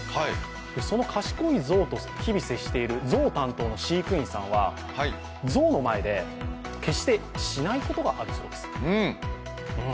その賢いゾウと日々接しているゾウ担当の飼育員さんはゾウの前で決して、しないことがあるそうです